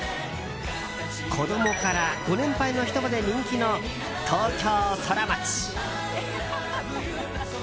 子供からご年配の人まで人気の東京ソラマチ。